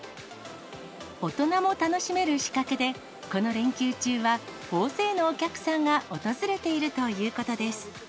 大人も楽しめる仕掛けで、この連休中は、大勢のお客さんが訪れているということです。